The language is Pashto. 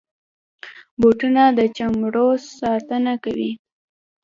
بوټونه د چمړو ساتنه کوي.